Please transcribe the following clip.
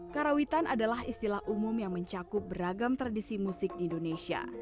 karawitan adalah istilah umum yang mencakup beragam tradisi musik di indonesia